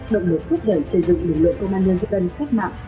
động lực thúc đẩy xây dựng lực lượng công an nhân dân cách mạng